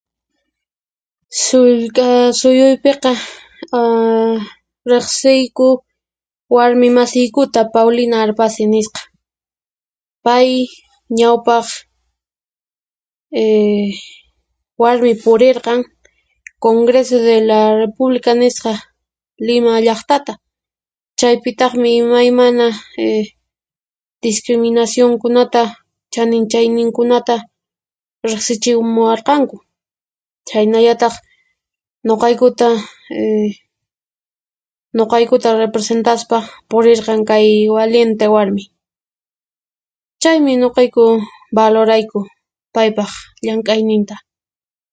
Sullk'a suyuypiqa aaa riqsiyku warmi masiykuta Paulina Arpasi nisqa. Pay ñawpaq ehh warmi purirqan Congreso de la República nisqa Lima llaqtata, chaypitaqmi imaymana eh discriminacionkunata chaninchayninkunata riqsichimuwarqanku, chaynallataq nuqaykuta ehh nuqaykuta representaspa purirqan kay walinti warmi. Chaymi nuqayku valorayku paypaq llank'ayninta.